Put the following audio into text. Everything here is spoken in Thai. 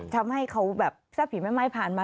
ทำให้เขาแบบเสื้อผีแม่ม่ายผ่านมา